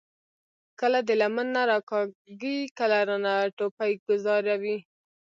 کله د لمن نه راکاږي، کله رانه ټوپۍ ګوذاري ـ